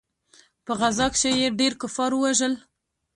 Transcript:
په غزا کښې يې ډېر کفار ووژل.